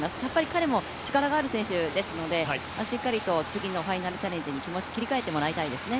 彼も力がある選手ですので次のファイナルチャレンジに気持ち切り替えてもらいたいですね。